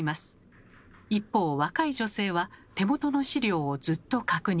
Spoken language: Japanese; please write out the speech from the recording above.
一方若い女性は手元の資料をずっと確認。